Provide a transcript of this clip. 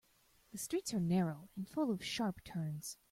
The streets are narrow and full of sharp turns.